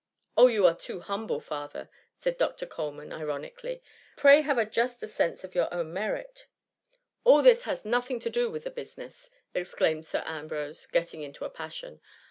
''" Oh, you are too humble, father!" said Dr. Coleman ironically ;^' pray have a juster sense of your own merit." ^^ All this has nothing to do with the busi ness," exclaimed Sir Ambrose, getting into a passion.